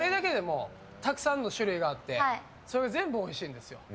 たくさんの種類があってそれが全部おいしいんですよ。